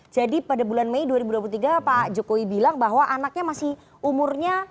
jadi pada bulan mei dua ribu dua puluh tiga pak jokowi bilang bahwa anaknya masih umurnya